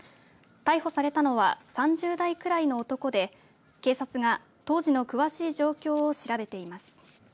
逮捕されたのは３０代くらいの男で警察が当時の詳しい状況を調べています。